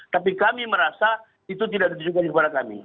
tapi kami merasa itu tidak ditujukan kepada kami